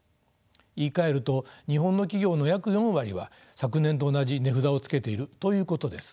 言いかえると日本の企業の約４割は昨年と同じ値札をつけているということです。